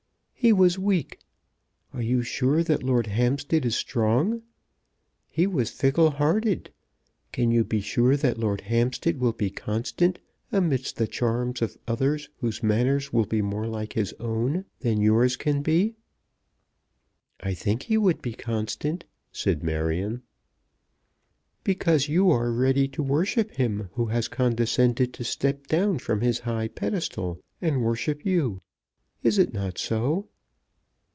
"He was weak. Are you sure that Lord Hampstead is strong? He was fickle hearted. Can you be sure that Lord Hampstead will be constant amidst the charms of others whose manners will be more like his own than yours can be?" "I think he would be constant," said Marion. "Because you are ready to worship him who has condescended to step down from his high pedestal and worship you. Is it not so?"